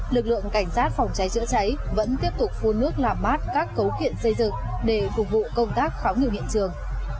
lực lượng cảnh sát phòng cháy chữa cháy vẫn tiếp tục phun nước làm mát các cấu kiện xây dựng để phục vụ công tác khám nghiệm hiện trường